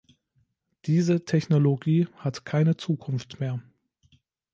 Diese Technologie hat keine Zukunft mehr!